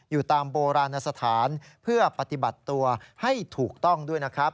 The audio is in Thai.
อยู่ตามโบราณสถานเพื่อปฏิบัติตัวให้ถูกต้องด้วยนะครับ